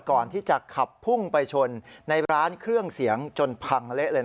ก่อนที่จะขับพุ่งไปชนในร้านเครื่องเสียงจนพังเละเลย